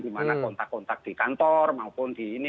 dimana kontak kontak di kantor maupun di ini